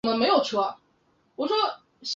却遭到否认。